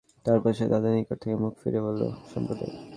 তারপর সে তাদের নিকট থেকে মুখ ফিরিয়ে নিয়ে বলল, হে আমার সম্প্রদায়।